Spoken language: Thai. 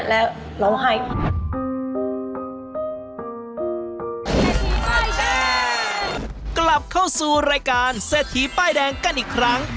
กลับเข้าสู่รายการเศรษฐีป้ายแดงกันอีกครั้ง